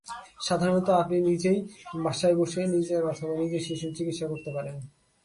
সাধারণত আপনি নিজেই বাসায় বসে নিজের অথবা নিজের শিশুর চিকিৎসা করতে পারেন।